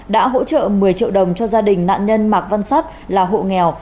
đã hỗ trợ một mươi triệu đồng cho gia đình nạn nhân mạc văn sắt là hộ nghèo